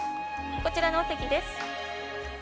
こちらのお席です。